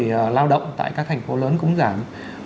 số người lao động tại các thành phố lớn cũng giảm